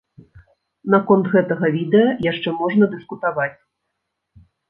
Наконт гэтага відэа яшчэ можна дыскутаваць.